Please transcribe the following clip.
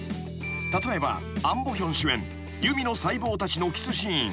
［例えばアン・ボヒョン主演『ユミの細胞たち』のキスシーン］